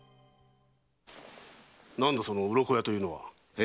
なんだその「うろこや」というのは？